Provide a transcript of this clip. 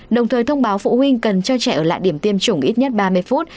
đồng thời thông báo phụ huynh cần cho trẻ ở lại điểm tiêm chủng ít nhất ba mươi phút